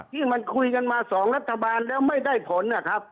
ที่มันคุยกันมา๒รัฐบาลแล้วไม่ได้ผลนะครับ